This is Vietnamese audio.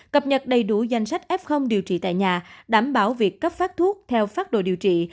cập nhật đầy đủ danh sách f điều trị tại nhà đảm bảo việc cấp phát thuốc theo phát đồ điều trị